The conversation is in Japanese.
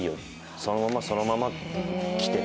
「そのまま、そのまま」って来て。